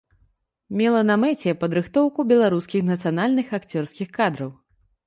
Мела на мэце падрыхтоўку беларускіх нацыянальных акцёрскіх кадраў.